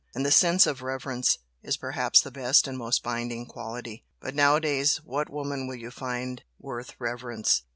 And the sense of 'reverence' is perhaps the best and most binding quality. But nowadays what woman will you find worth reverence?